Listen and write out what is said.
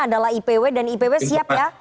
adalah ipw dan ipw siap ya